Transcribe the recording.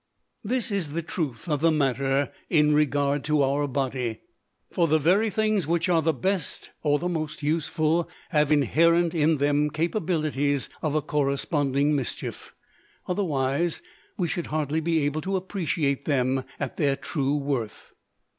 This is the truth of the matter in regard to our body; for the very things which are the best or the most useful have inherent in them capabilities of a corresponding mischief. Otherwise, we should hardly be able to appreciate them at their true worth.